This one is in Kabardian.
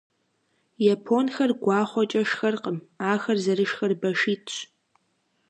Японхэр гуахъуэкӏэ шхэркъым, ахэр зэрышхэр башитӏщ.